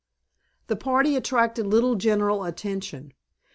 The party attracted little general attention.